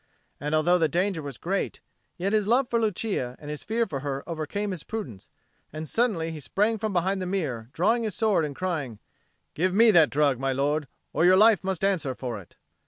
And, although the danger was great, yet his love for Lucia and his fear for her overcame his prudence, and suddenly he sprang from behind the mirror, drawing his sword and crying, "Give me that drug, my lord, or your life must answer for it."